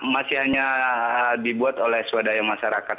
masih hanya dibuat oleh swadaya masyarakat